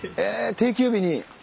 定休日に。